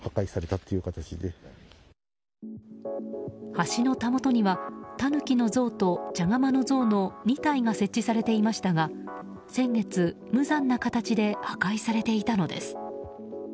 橋のたもとにはタヌキの像と茶釜の像の２体が設置されていましたが、先月無残な形で破壊されていたのです。